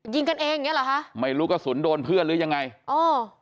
ยิงกันเองอย่างเงี้เหรอคะไม่รู้กระสุนโดนเพื่อนหรือยังไงอ๋อ